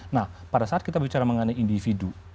nah pada saat kita bicara mengenai individu